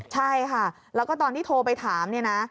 ใช่ค่ะแล้วก็ตอนที่โทรไปถามเนี่ยนะ